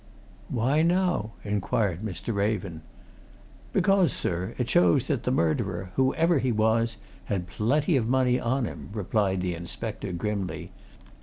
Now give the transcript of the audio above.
"Why, now?" inquired Mr. Raven. "Because, sir, it shows that the murderer, whoever he was, had plenty of money on him," replied the inspector grimly.